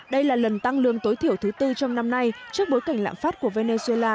đây là lần tăng lương tối thiểu thứ tư trong năm nay trước bối cảnh lạm phát của venezuela